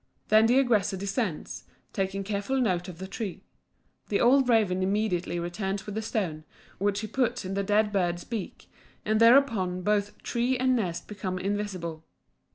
Then the aggressor descends, taking careful note of the tree. The old raven immediately returns with the stone, which he puts in the dead bird's beak, and thereupon both tree and nest become invisible.